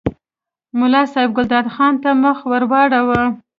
ملا صاحب ګلداد خان ته مخ ور واړاوه.